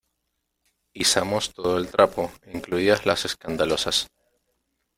izamos todo el trapo, incluidas las escandalosas.